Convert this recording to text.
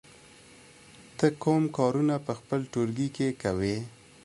ته کوم کارونه په خپل ټولګي کې کوې؟